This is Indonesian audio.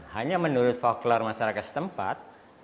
hanya menurut folklar masyarakat setempat